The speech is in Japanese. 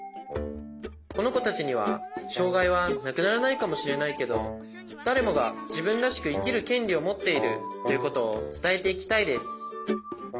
このこたちにはしょうがいはなくならないかもしれないけど「だれもがじぶんらしくいきるけんりをもっている」ということをつたえていきたいです